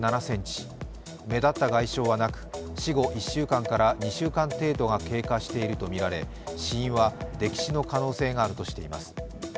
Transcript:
目立った外傷はなく死後１週間から２週間程度が経過しているとみられ死因は溺死の可能性があるとしています。